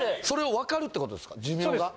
それを分かるってことですか。